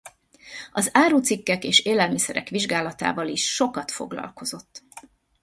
Az árucikkek és élelmiszerek vizsgálatával is sokat foglalkozott.